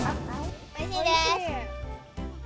おいしいでーす。